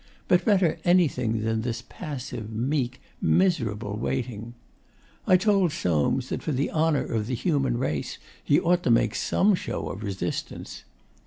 But better anything than this passive, meek, miserable waiting. I told Soames that for the honour of the human race he ought to make some show of resistance.